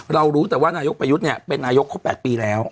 รู้แต่ว่านายกประยุทธ์เนี่ยเป็นนายกครบ๘ปีแล้ว